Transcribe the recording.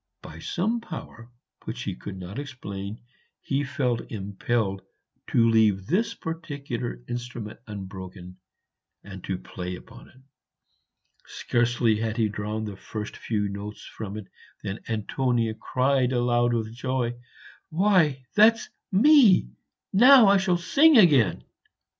By some power, which he could not explain, he felt impelled to leave this particular instrument unbroken, and to play upon it. Scarcely had he drawn the first few notes from it than Antonia cried aloud with joy, "Why, that's me! now I shall sing again."